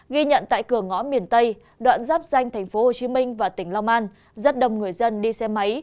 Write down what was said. ghi nhận tại cửa ngõ miền tây đoạn dắp danh thành phố hồ chí minh và tỉnh long an rất đông người dân đi xe máy